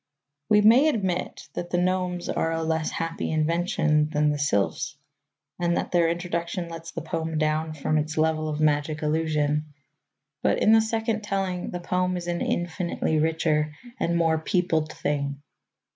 We may admit that the gnomes are a less happy invention than the sylphs, and that their introduction lets the poem down from its level of magic illusion. But in the second telling the poem is an infinitely richer and more peopled thing.